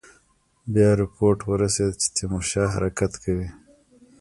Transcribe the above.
بیا رپوټ ورسېد چې تیمورشاه حرکت کوي.